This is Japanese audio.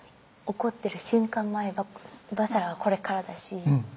怒ってる瞬間もあれば伐折羅はこれからだし。